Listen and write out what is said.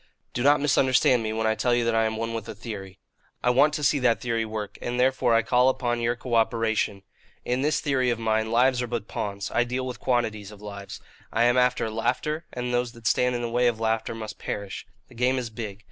"Do not misunderstand me, when I tell you that I am one with a theory. I want to see that theory work, and therefore I call upon your cooperation. In this theory of mine, lives are but pawns; I deal with quantities of lives. I am after laughter, and those that stand in the way of laughter must perish. The game is big.